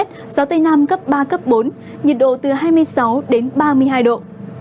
gió tây nam cấp ba bốn nhiệt độ từ hai mươi sáu ba mươi hai độ